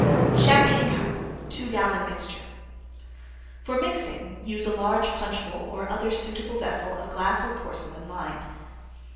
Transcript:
CHAMPAGNE CUP (2 gallon mixture) For mixing use a large Punch bowl or other suitable vessel of glass or porcelain lined.